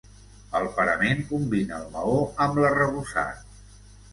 El parament combina el maó amb l'arrebossat.